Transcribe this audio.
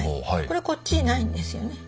これこっちにないんですよね。